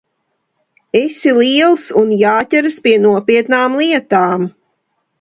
Esi liels, un jāķeras pie nopietnām lietām.